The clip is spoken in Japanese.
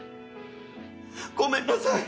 ごめんなさい！